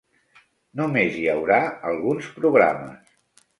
Només hi haurà alguns programes.